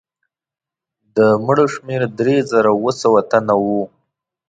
د مړو شمېر درې زره اووه سوه تنه وو.